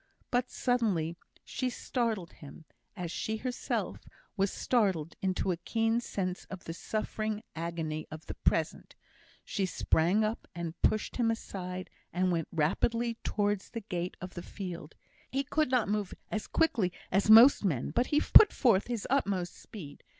But suddenly she startled him, as she herself was startled into a keen sense of the suffering agony of the present; she sprang up and pushed him aside, and went rapidly towards the gate of the field. He could not move as quickly as most men, but he put forth his utmost speed.